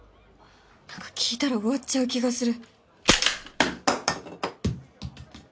なんか聞いたら終わっちゃう気がする。